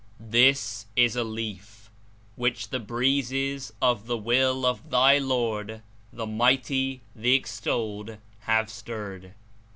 "This is a Leaf which the Breezes of the will of thy Lord, the Mighty, the Extolled, have stirred.